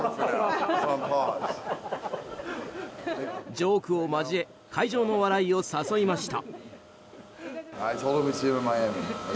ジョークを交え会場の笑いを誘いました。